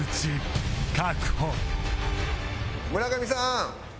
村上さん！